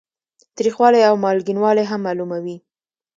تریخوالی او مالګینوالی هم معلوموي.